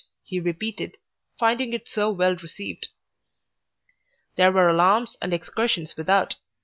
he repeated, finding it so well received. There were alarms and excursions without.